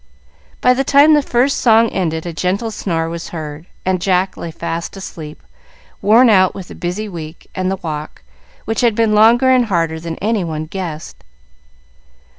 By the time the first song ended a gentle snore was heard, and Jack lay fast asleep, worn out with the busy week and the walk, which had been longer and harder than any one guessed.